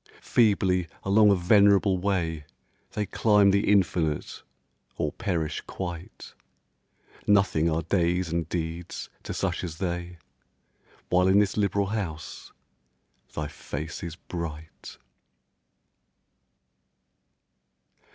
Feebly along a venerable way They climb the infinite, or perish quite; Nothing are days and deeds to such as they, While in this liberal house thy face is bright.